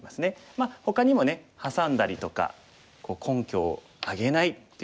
まあほかにもねハサんだりとか根拠をあげないといったね